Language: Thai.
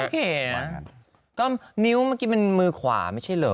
ก็นิ้วเมื่อกี้มันมือขวาไม่ใช่เหรอ